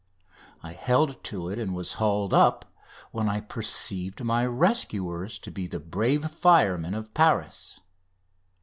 I held to it, and was hauled up, when I perceived my rescuers to be the brave firemen of Paris.